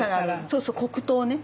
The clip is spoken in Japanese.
そうそう黒糖ね。